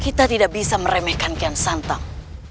kita tidak bisa meremehkan kian santang